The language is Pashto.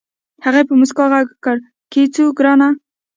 هغې په موسکا غږ کړ کېوځه ګرانه.